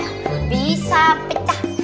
kaca bisa pecah